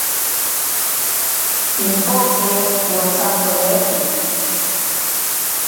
Pimpoke nosantoneki.